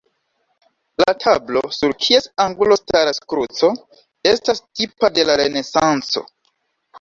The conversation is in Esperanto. La tablo, sur kies angulo staras kruco, estas tipa de la Renesanco.